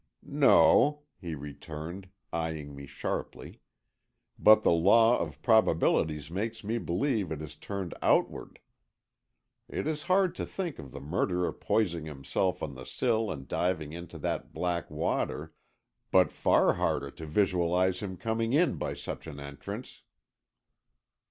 "No," he returned, eying me sharply, "but the law of probabilities makes me believe it is turned outward. It is hard to think of the murderer poising himself on the sill and diving into that black water, but far harder to visualize him coming in by such an entrance!"